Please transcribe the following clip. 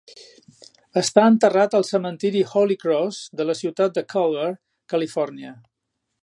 Està enterrat al cementiri Holy Cross de la ciutat de Culver, Califòrnia.